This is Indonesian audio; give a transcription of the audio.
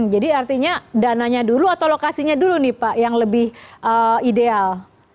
jadi artinya dananya dulu atau lokasinya dulu nih pak yang lebih ideal